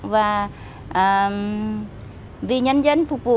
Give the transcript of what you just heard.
và vì nhân dân phục vụ